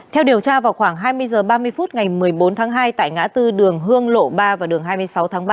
theo điều tra vào khoảng hai mươi h ba mươi phút ngày một mươi bốn tháng hai tại ngã tư đường hương lộ ba và đường hai mươi sáu tháng ba